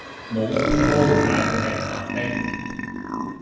武功高也要吃飯的